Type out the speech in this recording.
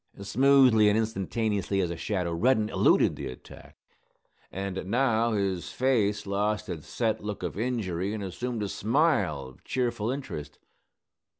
Smoothly and instantaneously as a shadow Reddin eluded the attack. And now his face lost its set look of injury and assumed a smile of cheerful interest.